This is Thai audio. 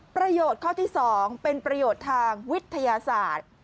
ประโยชน์ข้อที่๒เป็นประโยชน์ทางวิทยาศาสตร์